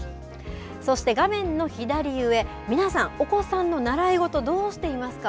そして、画面の左上、皆さん、お子さんの習い事、どうしていますか？